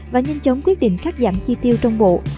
và nhanh chóng quyết định cắt giảm chi tiêu trong bộ